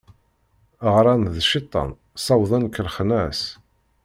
Ɣran d cciṭan, sawḍen kellxen-as.